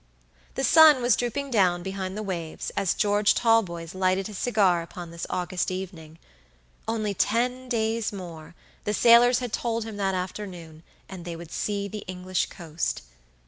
The sun was drooping down behind the waves as George Talboys lighted his cigar upon this August evening. Only ten days more, the sailors had told him that afternoon, and they would see the English coast.